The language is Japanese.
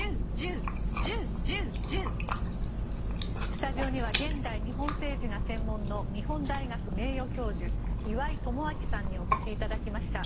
スタジオには現代日本政治が専門の日本大学名誉教授岩井奉信さんにお越しいただきました。